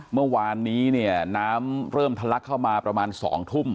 เมื่อวานนี้เนี่ยน้ำเริ่มทะลักเข้ามาประมาณ๒ทุ่ม